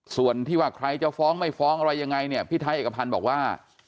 ส่วนที่ว่าใครจะฟ้องไม่ฟ้องอะไรยังไงเนี่ยพี่ไทยเอกพันธ์บอกว่า